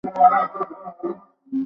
তাকে তোর কথা বলে দিয়েছি।